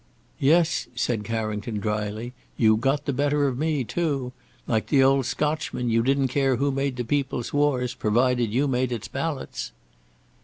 "Yes!" said Carrington drily; "you got the better of me, too. Like the old Scotchman, you didn't care who made the people's wars provided you made its ballots."